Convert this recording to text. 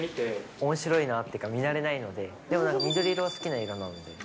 おもしろいなっていうか、見慣れないので、でもなんか、緑色は好きな色なので。